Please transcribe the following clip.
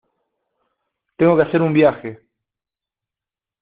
tengo que hacer un viaje.